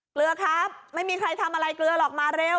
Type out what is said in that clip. เกลือครับไม่มีใครทำอะไรเกลือหรอกมาเร็ว